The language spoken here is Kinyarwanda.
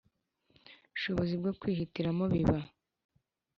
shobozi bwo kwihitiramo Biba